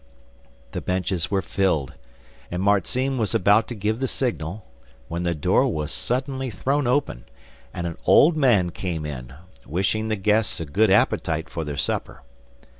The benches were filled, and Marzinne was about to give the signal, when the door was suddenly thrown open, and an old man came in, wishing the guests a good appetite for their supper.